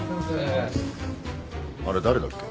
あれ誰だっけ？